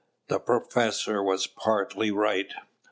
The professor was partly right.